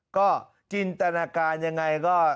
ก็จินตนาการยังไงก็